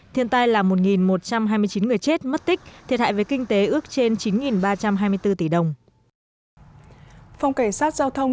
thiên tai là một một trăm hai mươi chín người chết mất tích thiệt hại về kinh tế ước trên chín ba trăm hai mươi bốn tỷ đồng